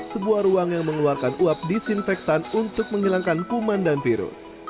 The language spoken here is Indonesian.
sebuah ruang yang mengeluarkan uap disinfektan untuk menghilangkan kuman dan virus